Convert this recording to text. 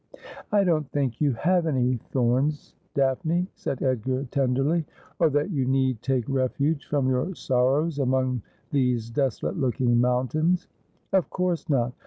' I don't think you have any thorns. Daphne,' said Edgar tenderly, ' or that you need take refuge from your sorrows among these desolate looking mountains.' ' Of course not.